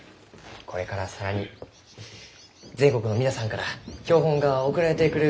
これから更に全国の皆さんから標本が送られてくるがですよね？